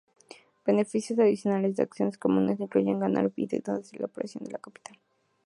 Beneficios adicionales de acciones comunes incluyen ganar dividendos y la apreciación de capital.